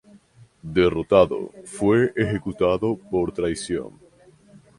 Derrotado, fue ejecutado por traición.